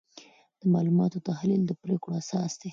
د معلوماتو تحلیل د پریکړو اساس دی.